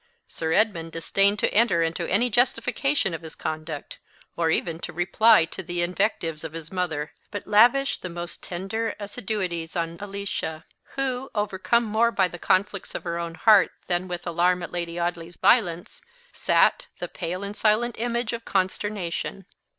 Sir Edmund disdained to enter into any justification of his conduct, or even to reply to the invectives of his mother, but lavished the most tender assiduities on Alicia; who, overcome more by the conflicts of her own heart than with alarm at Lady Audley's violence, sat the pale and silent image of consternation.